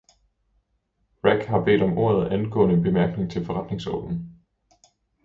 Rack har bedt om ordet angående en bemærkning til forretningsordenen.